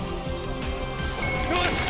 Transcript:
よし！